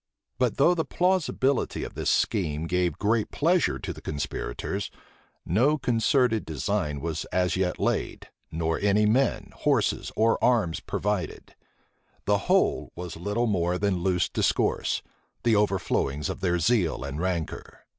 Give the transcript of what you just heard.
But though the plausibility of this scheme gave great pleasure to the conspirators, no concerted design was as yet laid, nor any men, horses, or arms provided: the whole was little more than loose discourse, the overflowings of their zeal and rancor.